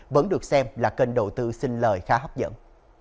vẫn được xem là kênh đầu tư xin lời khá hấp dẫn